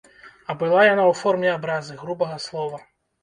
А была яна ў форме абразы, грубага слова.